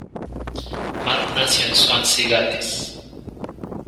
Matt nació en Swansea, Gales.